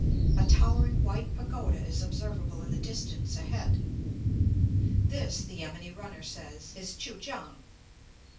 A towering white pagoda is observable in the distance ahead; thia the yameni runner says is Kui kiang.